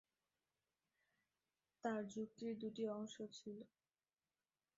তার যুক্তির দুটি অংশ ছিল।